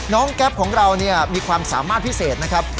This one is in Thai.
น้องแก๊บของเรามีความสามารถพิเศษนะครับ